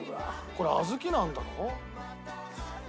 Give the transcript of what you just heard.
これ小豆なんだろ？